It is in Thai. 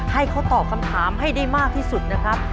ให้เขาตอบคำถามให้ได้มากที่สุดนะครับ